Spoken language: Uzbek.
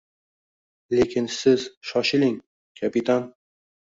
Lekin siz shoshiling, kapitan